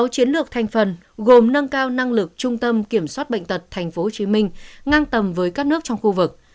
sáu chiến lược thành phần gồm nâng cao năng lực trung tâm kiểm soát bệnh tật tp hcm ngang tầm với các nước trong khu vực